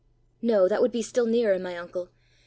"No; that would be still nearer my uncle.